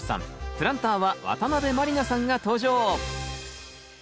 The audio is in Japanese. プランターは渡辺満里奈さんが登場！